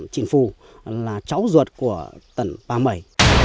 trịnh phu là cháu ruột của tần pa mẩy